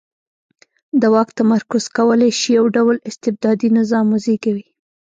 د واک تمرکز کولای شي یو ډ ول استبدادي نظام وزېږوي.